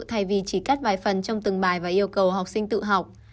thay vì chỉ cắt vài phần trong từng bài và yêu cầu học sinh tự học